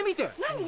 何？